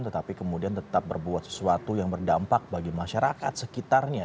tetapi kemudian tetap berbuat sesuatu yang berdampak bagi masyarakat sekitarnya